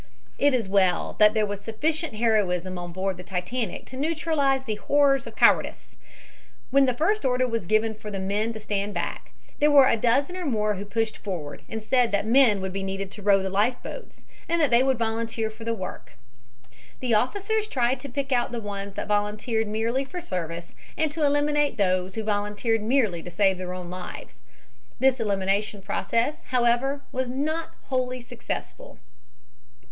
It is well that there was sufficient heroism on board the Titanic to neutralize the horrors of the cowardice. When the first order was given for the men to stand back, there were a dozen or more who pushed forward and said that men would be needed to row the life boats and that they would volunteer for the work. The officers tried to pick out the ones that volunteered merely for service and to eliminate those who volunteered merely to save their own lives. This elimination process however, was not wholly successful.